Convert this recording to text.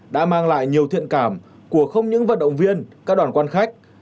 đã mang lại nhiều thiện cảm của không những vận động viên các đoàn quan khách